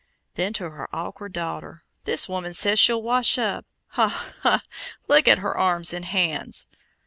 Then to her awkward daughter: "This woman says she'll wash up! Ha! ha! look at her arms and hands!"